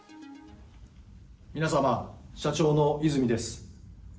皆様、社長の和泉です。